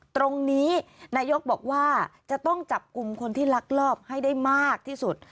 ตรงนี้นายกบอกว่าจะต้องจับกลุ่มคนที่ลักลอบให้ได้มากที่สุด